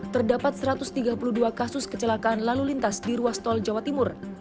terdapat satu ratus tiga puluh dua kasus kecelakaan lalu lintas di ruas tol jawa timur